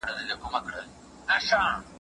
اسمان ته ګورئ له ودانو بامو